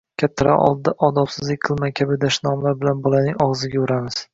“Kattalar oldida odobsizlik qilma!” kabi dashnomlar bilan bolaning og‘ziga uramiz.